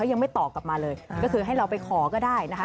ยังไม่ตอบกลับมาเลยก็คือให้เราไปขอก็ได้นะคะ